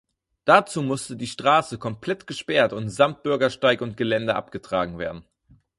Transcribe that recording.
Dazu musste die Straße komplett gesperrt und samt Bürgersteig und Geländer abgetragen werden.